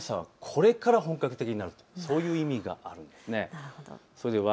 寒さはこれから本格的になる、そういう意味があるんです。